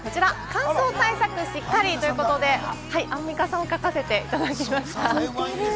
乾燥対策をしっかりということで、アンミカさんを描かせていただきました。